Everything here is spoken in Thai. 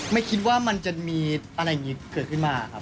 ไม่คิดว่ามันจะมีอะไรอย่างนี้เกิดขึ้นมาครับ